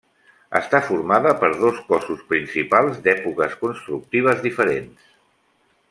Està formada per dos cossos principals d'èpoques constructives diferents.